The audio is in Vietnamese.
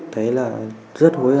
thấy là rất hối hận